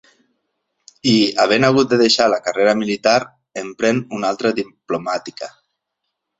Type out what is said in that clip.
I, havent hagut de deixar la carrera militar, emprèn una altra diplomàtica.